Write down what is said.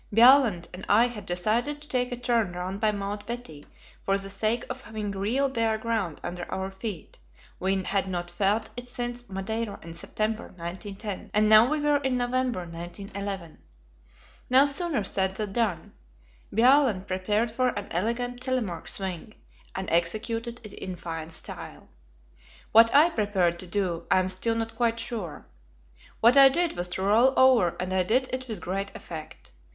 Bjaaland and I had decided to take a turn round by Mount Betty for the sake of having real bare ground under our feet; we had not felt it since Madeira in September, 1910, and now we were in November, 1911. No sooner said than done. Bjaaland prepared for an elegant "Telemark swing," and executed it in fine style. What I prepared to do, I am still not quite sure. What I did was to roll over, and I did it with great effect.